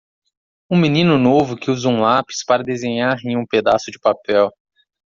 Um menino novo que usa um lápis para desenhar em um pedaço de papel.